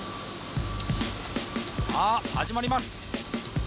さあ始まります